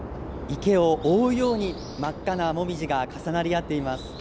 池を覆うように、真っ赤なモミジが重なり合っています。